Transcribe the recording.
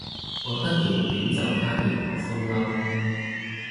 我得件短袖加件薄風褸